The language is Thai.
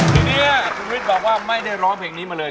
ทีนี้คุณวิทย์บอกว่าไม่ได้ร้องเพลงนี้มาเลย